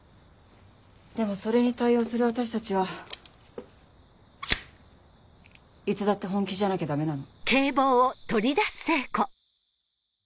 でもそれに対応する私たちはいつだって本気じゃなきゃダメなの。